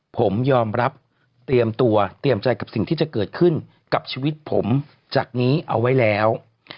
ผมยอมรับเตรียมตัวเตรียมใจกับสิ่งที่จะเกิดขึ้นกับชีวิตผมจากนี้เอาไว้แล้ว